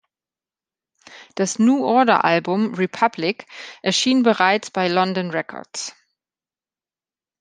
Das New Order-Album "Republic" erschien bereits bei London Records.